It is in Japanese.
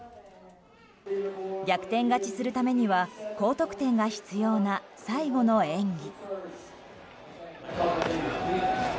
逆転勝ちするためには高得点が必要な最後の演技。